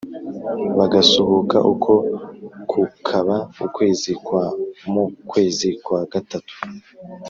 bagasuhuka Uko kukaba ukwezi kwa Mu kwezi kwa gatatu